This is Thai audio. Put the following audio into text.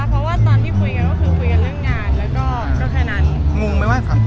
เพราะว่าตอนที่พูดกันคือพูดกันเรื่องงานและก็ก็แค่นั้น